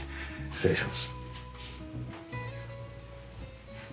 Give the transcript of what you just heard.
失礼します。